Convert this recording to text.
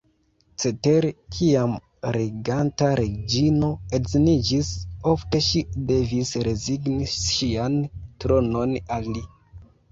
Cetere, kiam reganta reĝino edziniĝis, ofte ŝi devis rezigni ŝian tronon al li.